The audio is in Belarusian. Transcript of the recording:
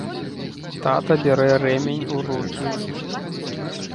Тата бярэ рэмень у рукі.